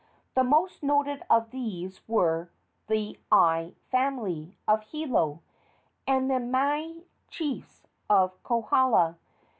The most noted of these were the I family, of Hilo, and the Mahi chiefs, of Kohala.